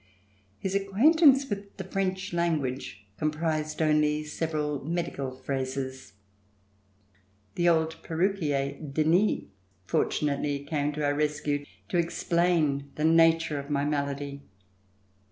His acquaintance with the French language com prised only several medical phrases. The old per ruquier, Denis, fortunately came to our rescue to explain the nature of my malady.